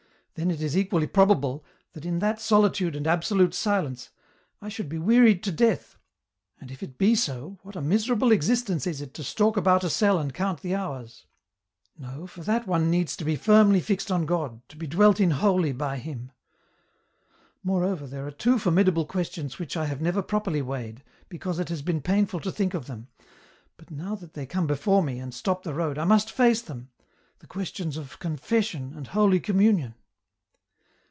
then it is equally probable, that in that solitude and absolute silence, I should be wearied to death, and if it be so, what a miserable existence is it to stalk about a cell and count the hours. No, for that one needs to be firmly fixed on God, to be dwelt in wholly by Him. " Moreover, there are two formidable questions which I have never properly weighed, because it has been painful to think of them, but now that they come before me, and stop the road, I must face them, the questions of Confession and Holy Communion.